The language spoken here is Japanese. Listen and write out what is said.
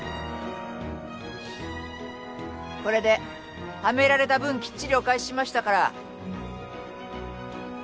これではめられた分きっちりお返ししましたから。